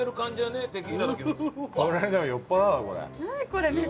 これ。